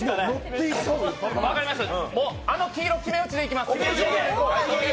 あの黄色、決め打ちでいきます。